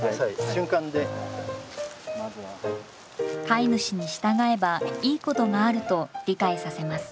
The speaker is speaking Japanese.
飼い主に従えばいいことがあると理解させます。